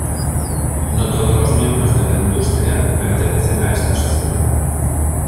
No todos los miembros de la industria pertenecen a esta sociedad.